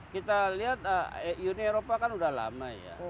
kita lihat uni eropa kan sudah lama ya